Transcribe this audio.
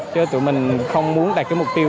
chứ tụi mình không muốn đặt cái mục tiêu